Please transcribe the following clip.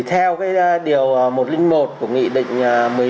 theo điều một trăm linh một của nghị định